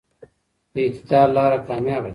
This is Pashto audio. د اعتدال لاره کاميابه ده.